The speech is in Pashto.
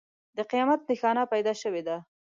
د قیامت نښانه پیدا شوې ده.